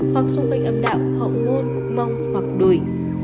hoặc xung quanh âm đạo hậu môn mông hoặc đuổi